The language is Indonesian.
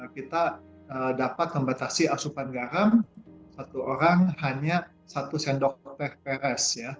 kita dapat membatasi asupan garam satu orang hanya satu sendok teh peres